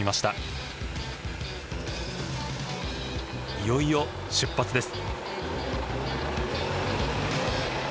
いよいよ出発です。